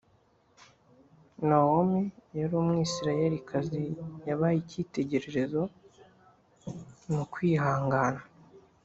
Nawomi yari Umwisirayelikazi yabaye icyitegererezo mu kwihangana